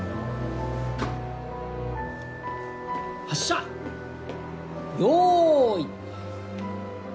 発射用意！